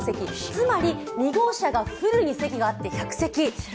つまり、２号車がフルに席があって１００席。